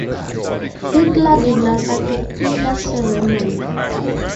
Hitler did not attend either ceremony.